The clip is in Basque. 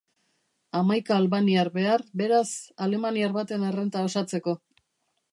Hamaika albaniar behar, beraz, alemaniar baten errenta osatzeko.